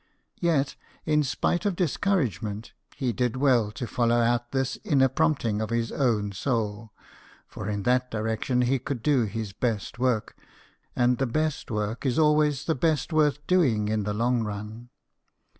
Yet, in spite of discouragement, he did well to follow out this inner prompting of his own soul ; for in that direction he could do his best work and the best work is always the best worth doing in the long run.